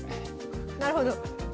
なるほど。